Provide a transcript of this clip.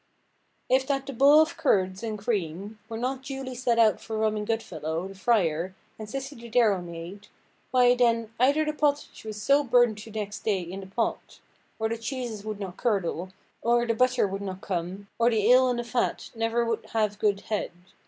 "If that the bowle of curds and creame were not duly set out for Robin Goodfellow, the frier, and Sisse the dairymaid, why, then, either the pottage was so burnt to next day in the pot, or the cheeses would not curdle, or the butter would not come, or the ale in the fat never would have good head.